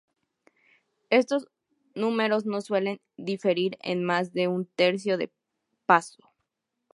Estos números no suelen diferir en más de un tercio de paso.